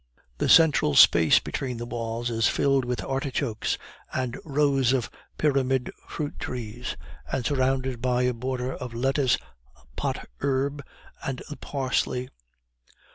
The central space between the walls is filled with artichokes and rows of pyramid fruit trees, and surrounded by a border of lettuce, pot herbs, and parsley.